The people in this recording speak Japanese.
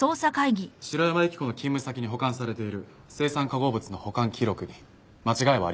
城山由希子の勤務先に保管されている青酸化合物の保管記録に間違いはありませんでした。